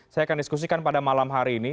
saya akan diskusikan pada malam hari ini